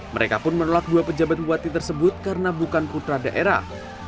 mereka pun menolak dua pejabat bupati tersebut karena bukan putra daerah